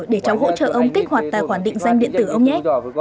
để cháu hỗ trợ ông kích hoạt tài khoản định danh điện tử ông nhé